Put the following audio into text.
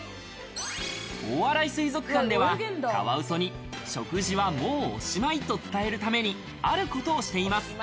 大洗水族館では、カワウソに食事はもうおしまいと伝えるためにあることをしています。